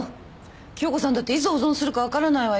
清子さんだっていつ大損するか分からないわよ。